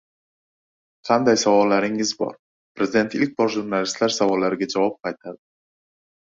«Qanday savollaringiz bor?» — Prezident ilk bor jurnalistlar savollariga javob qaytardi